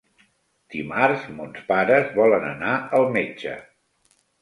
Dimarts mons pares volen anar al metge.